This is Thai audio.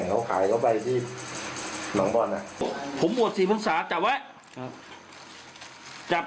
น้ำแข็งครับ